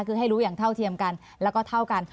คือให้รู้อย่างเท่าเทียมกันแล้วก็เท่ากัน